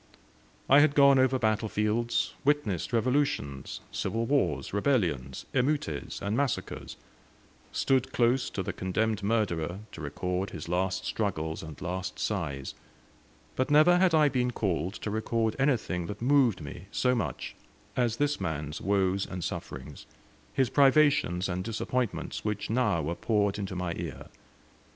I had gone over battlefields, witnessed revolutions, civil wars, rebellions, emeutes and massacres; stood close to the condemned murderer to record his last struggles and last sighs; but never had I been called to record anything that moved me so much as this man's woes and sufferings, his privations and disappointments, which now were poured into my ear.